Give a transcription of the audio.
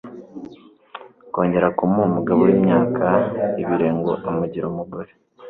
kongera kumuha umugabo w'imyaka ibiringo amugire umugore